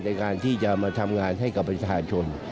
ในการที่จะมาทำงานให้กับประชาชน